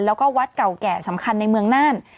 แล้วก็วัดเก่าแก่สำคัญในเมืองน่าน